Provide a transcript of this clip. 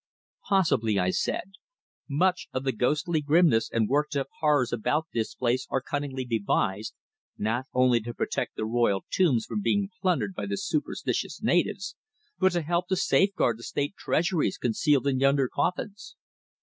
"Possibly," I said, "much of the ghostly grimness and worked up horrors about this place are cunningly devised, not only to protect the Royal tombs from being plundered by the superstitious natives, but to help to safeguard the State treasures concealed in yonder coffins."